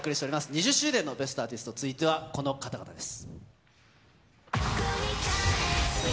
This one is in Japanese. ２０周年の『ベストアーティスト』、続いてはこの方々です。